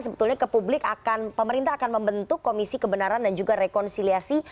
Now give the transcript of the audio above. sebetulnya ke publik akan pemerintah akan membentuk komisi kebenaran dan juga rekonsiliasi